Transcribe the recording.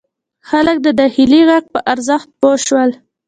خلک د داخلي غږ په ارزښت پوه شول.